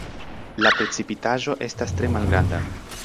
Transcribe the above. La precipitaĵo estas tre malgranda.